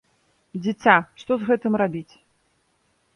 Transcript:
Дзіця, што з гэтым рабіць?